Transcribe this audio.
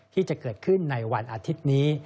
ที่จะเกิดขึ้นในวันอาทิตย์นี้